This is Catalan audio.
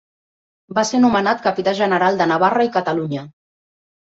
Va ser nomenat capità general de Navarra i Catalunya.